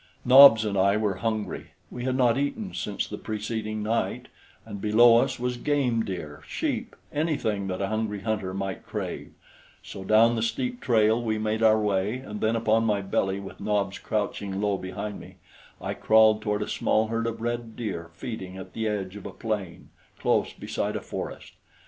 Nobs and I were hungry; we had not eaten since the preceding night, and below us was game deer, sheep, anything that a hungry hunter might crave; so down the steep trail we made our way, and then upon my belly with Nobs crouching low behind me, I crawled toward a small herd of red deer feeding at the edge of a plain close beside a forest.